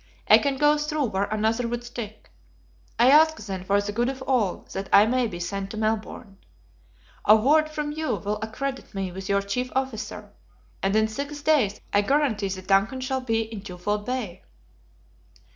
I can go through where another would stick. I ask then, for the good of all, that I may be sent to Melbourne. A word from you will accredit me with your chief officer, and in six days I guarantee the DUNCAN shall be in Twofold Bay."